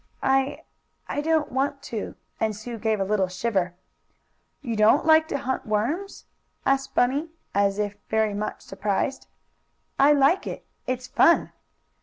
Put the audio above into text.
"I I don't want to," and Sue gave a little shiver. "You don't like to hunt worms?" asked Bunny, as if very much surprised. "I like it it's fun!"